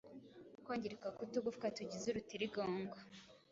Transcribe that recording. Kwangirika k’utugufwa tugize urutirigongo